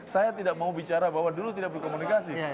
saya tidak mau bicara bahwa dulu tidak berkomunikasi